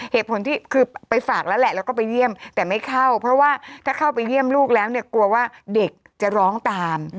เหตุผลที่คือไปฝากแล้วแหละแล้วก็ไปเยี่ยมแต่ไม่เข้าเพราะว่าถ้าเข้าไปเยี่ยมลูกแล้วเนี่ยกลัวว่าเด็กจะร้องตาม